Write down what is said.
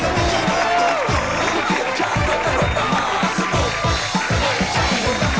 แต่วันนี้ต้องขอบคุณต้องอิ่มหน่อย